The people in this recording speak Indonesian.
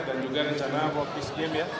dan juga rencana world peace games